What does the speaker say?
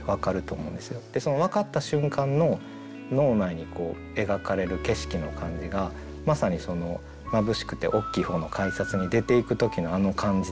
でその分かった瞬間の脳内に描かれる景色の感じがまさに「まぶしくておっきい方の改札」に出ていく時のあの感じだなという。